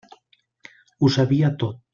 Ho sabia tot.